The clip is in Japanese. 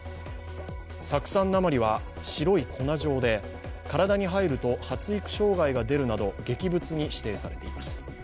酢酸鉛は白い粉状で、体に入ると発育障害が出るなど劇物に指定されています。